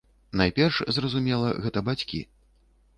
Найперш, зразумела, гэта бацькі.